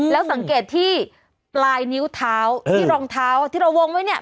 แล้วสังเกตที่ปลายนิ้วเท้าที่รองเท้าที่เราวงไว้เนี่ย